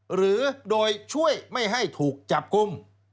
หรือโดยช่วยไม่ให้ถูกจับกลุ่ม